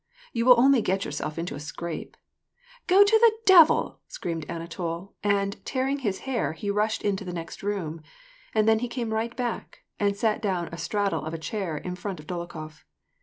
You will only get yourself into a scrape "—" Go to the devil !" screamed Anatol, and, tearing his hair, he rushed into the next room ; then he came right back, and sat down a straddle of a chair in front of Dolokhof.